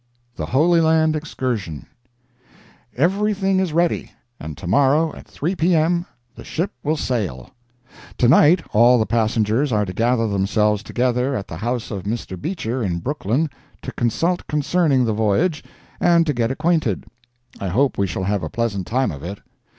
THE HOLY LAND EXCURSION Everything is ready, and to morrow, at 3 P.M., the ship will sail. To night all the passengers are to gather themselves together at the house of Mr. Beecher, in Brooklyn, to consult concerning the voyage, and to get acquainted. I hope we shall have a pleasant time of it.